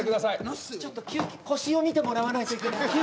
ちょっと休憩腰を診てもらわないといけない